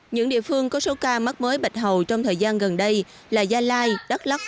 những địa phương có số ca mắc mới bạch hầu trong thời gian gần đây là gia lai đắk lắc